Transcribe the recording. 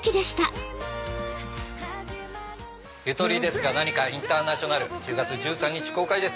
『ゆとりですがなにかインターナショナル』１０月１３日公開です。